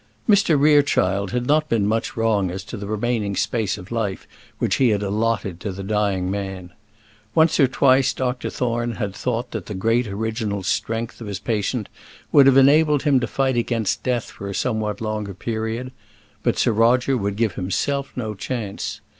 Mr Rerechild had not been much wrong as to the remaining space of life which he had allotted to the dying man. Once or twice Dr Thorne had thought that the great original strength of his patient would have enabled him to fight against death for a somewhat longer period; but Sir Roger would give himself no chance.